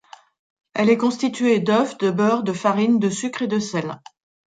Elle est constituée d'œufs, de beurre, de farine, de sucre et de sel.